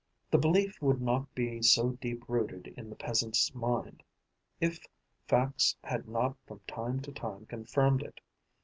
The belief would not be so deep rooted in the peasant's mind, if facts had not from time to time confirmed it.